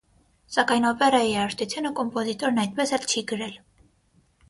Սակայն օպերայի երաժշտությունը կոմպոզիտորն այդպես էլ չի գրել։